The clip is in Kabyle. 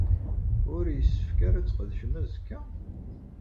Ur yessefk ara ad tqedcem azekka?